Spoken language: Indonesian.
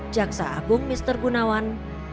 jaksa agung mister gunawan